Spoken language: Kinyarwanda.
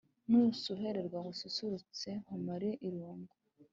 Nusuhererwa ngususurutse nkumare irungu